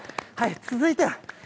続いては。